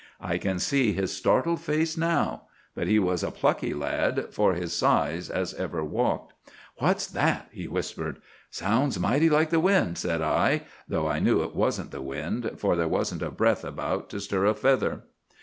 I can see his startled face now; but he was a plucky lad for his size as ever walked. "'What's that?' he whispered. "'Sounds mighty like the wind,' said I, though I knew it wasn't the wind, for there wasn't a breath about to stir a feather.